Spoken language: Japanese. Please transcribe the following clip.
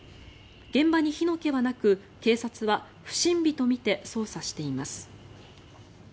現場に火の気はなく警察は不審火とみて捜査しています。